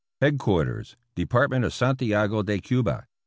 Headquarters Department of Santiago de Cuba.